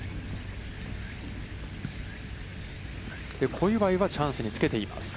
小祝はチャンスにつけています。